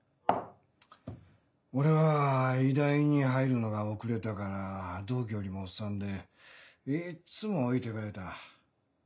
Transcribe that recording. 俺は医大に入るのが遅れたから同期よりもおっさんでいっつも置いてかれた。